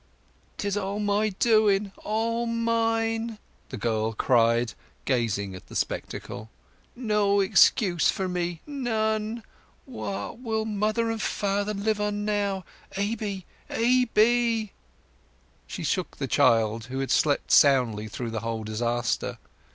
"'Tis all my doing—all mine!" the girl cried, gazing at the spectacle. "No excuse for me—none. What will mother and father live on now? Aby, Aby!" She shook the child, who had slept soundly through the whole disaster.